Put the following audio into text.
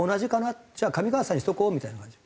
「じゃあ上川さんにしとこう」みたいな感じ。